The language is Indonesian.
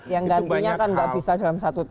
yang gantinya kan gak bisa dalam satu tahun mas arief